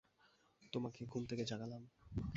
তোমাকে ঘুম থেকে জাগালাম?